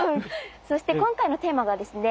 そして今回のテーマがですね